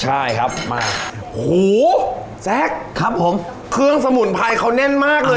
ใช่ครับมาโอ้โหแซคครับผมเครื่องสมุนไพรเขาแน่นมากเลย